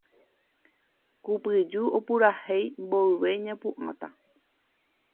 Kupyju opurahéi mboyve ñapu'ãta